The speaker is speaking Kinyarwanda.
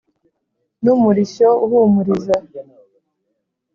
n’ umurishyo uhumuriza,